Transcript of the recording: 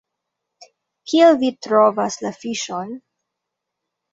Kiel vi trovas la fiŝon?